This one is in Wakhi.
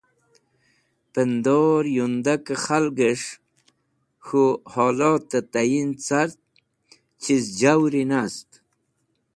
Pẽndor yundakẽ khalgẽs̃h k̃hũ holotẽ tayin car, chiz jawiri nast.